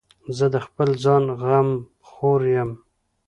زه د خپل ځان غمخور یم.